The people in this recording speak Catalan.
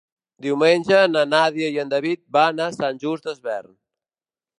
Diumenge na Nàdia i en David van a Sant Just Desvern.